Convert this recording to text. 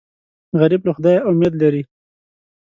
غریب له خدایه امید لري